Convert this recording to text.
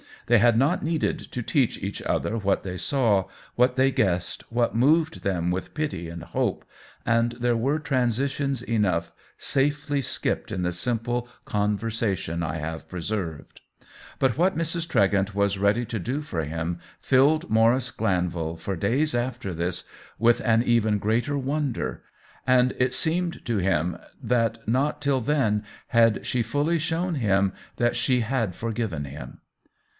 They had not needed to teach each other what they saw, what they guessed, what moved them with pity and hope, and there were transitions enough safely skipped in the simple conversation I have preserved. But what Mrs. Tregent was ready to do for him filled Maurice Glanvil, for days after this, with an even greater wonder, and it seemed to him that not till then had she fully shown him that she had forgiven him.